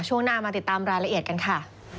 ช่วงหน้ามาติดตามรายละเอียดกันค่ะ